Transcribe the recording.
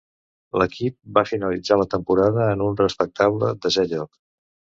L'equip va finalitzar la temporada en un respectable desè lloc.